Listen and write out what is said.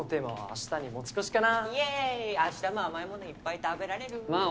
あしたも甘い物いっぱい食べられるまあ